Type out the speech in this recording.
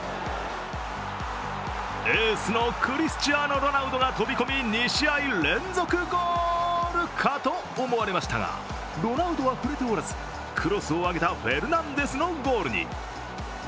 エースのクリスチアーノ・ロナウドが飛び込み２試合連続ゴールかと思われましたが、ロナウドは触れておらずクロスを上げたフェルナンデスのゴールに。